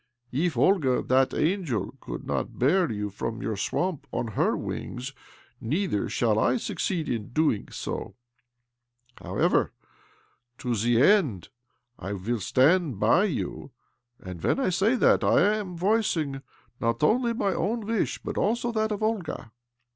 If Olga, that angel, could not bear you from your swamp on her wings, neither shall I succeed in doing so. However, to the end I shall stand by you : and when I say that, I am voicing not only my own wish, but also that of Olga.